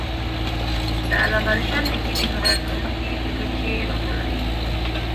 د علامه رشاد لیکنی هنر مهم دی ځکه چې راټولوي.